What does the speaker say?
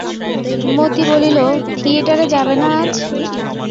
মতি বলিল, থিয়েটারে যাবে না আজ?